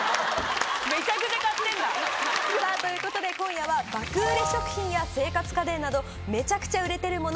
さぁということで今夜は爆売れ食品や生活家電などめちゃくちゃ売れてるもの